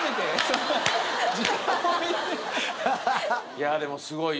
いやでもすごい。